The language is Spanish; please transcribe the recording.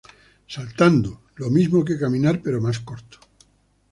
Saltando: Lo mismo que caminar pero más corto.